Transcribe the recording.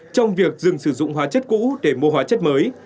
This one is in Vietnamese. trong việc dừng sử dụng hóa chất cũ để mua hóa chất mới